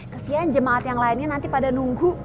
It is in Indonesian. kesian jemaat yang lainnya nanti pada nunggu